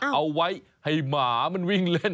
เอาไว้ให้หมามันวิ่งเล่น